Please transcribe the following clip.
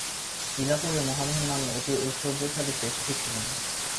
ইলাপুরে মহাধন নামে অতি ঐশ্বর্যশালী শ্রেষ্ঠী ছিলেন।